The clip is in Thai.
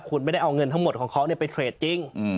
คุณไม่ได้เอาเงินทั้งหมดของเขาไปเทรดจริง